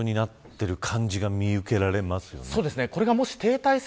ちょっと線状になっている感じが見受けられますよね。